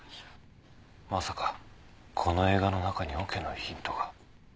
まさかこの映画の中にオケのヒントが！？